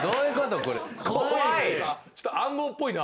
ちょっと暗号っぽいな。